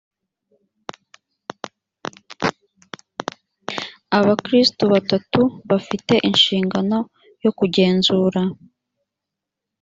abakristu batatu ifite inshingano yo kugenzura